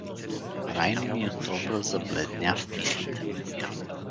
Райниният образ забледня в мислите му.